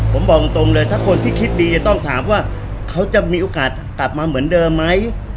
ผมบอกตรงเลยถ้าคนที่คิดดีจะต้องถามว่าเขาจะมีโอกาสกลับมาเหมือนเดิมไหม